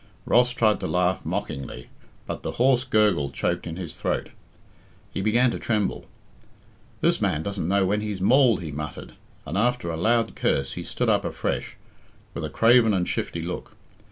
Ross tried to laugh mockingly, but the hoarse gurgle choked in his throat. He began to tremble. "This man doesn't know when he's mauled," he muttered, and after a loud curse he stood up afresh, with a craven and shifty look.